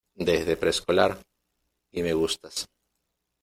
desde preescolar. y me gustas .